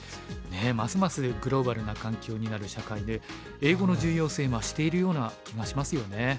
ねえますますグローバルな環境になる社会で英語の重要性増しているような気がしますよね。